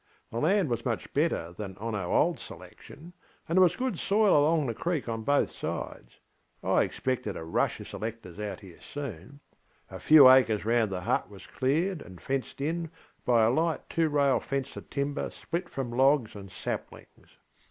The land was much better than on our old selection, and there was good soil along the creek on both sides: I expected a rush of selectors out here soon. A few acres round the hut was cleared and fenced in by a light two rail fence of timber split from logs and saplings.